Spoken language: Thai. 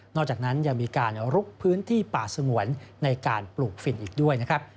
อกจากนั้นยังมีการลุกพื้นที่ป่าสงวนในการปลูกฝิ่นอีกด้วยนะครับ